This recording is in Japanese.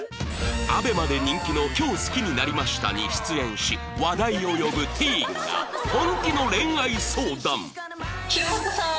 ＡＢＥＭＡ で人気の『今日、好きになりました。』に出演し話題を呼ぶティーンが本気の恋愛相談